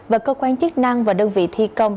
và cơ quan chức năng và đơn vị thi công